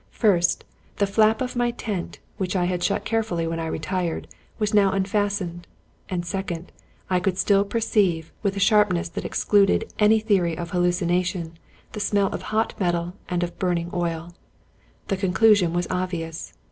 First, the flap of my tent, which I had shut carefully when I retired, was now unfastened; and, second, I could still perceive, with a sharpness that excluded any theory of hallucination, the smell of hot metal and of burn ing oil. The conclusion was obvious.